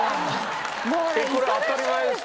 これ当たり前ですか？